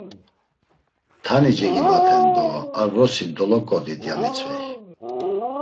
Tani cegibaten do ar vrosi doloǩot̆it, ya mitzvey.